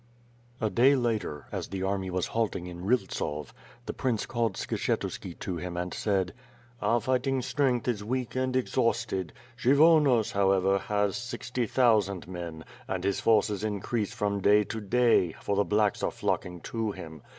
A day later, as the army was halting in Ryltsov, the prince called Skshetuski to him, and said: "Our fighting strength is weak and exhausted. Kshyvonos, however, has sixty thousand men, and his forces increase from day to day, for the blacks are flocking to him.